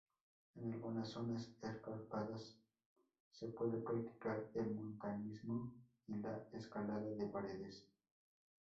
En algunas zonas escarpadas se puede practicar el montañismo y la escalada de paredes.